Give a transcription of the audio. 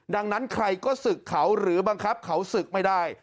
ดังนั้นใครก็ศึกเขาหรือบังคับเขาศึกไม่ได้